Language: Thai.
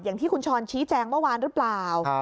อย่างที่คุณช้อนชี้แจงเมื่อวานหรือเปล่า